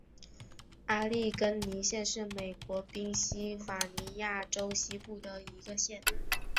阿利根尼县是美国宾夕法尼亚州西部的一个县。